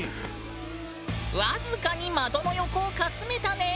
僅かに的の横をかすめたね！